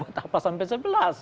buat apa sampai sebelas